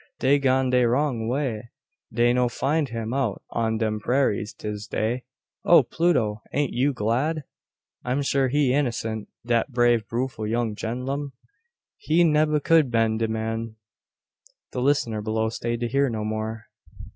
Dey gone dey wrong way. Dey no find him out on dem prairas dis day." "O, Pluto! an't you glad? I'm sure he innocent dat brave bewful young gen'lum. He nebba could been de man " The listener below stayed to hear no more.